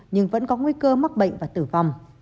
nhưng vẫn có nguy cơ mắc bệnh và tử vong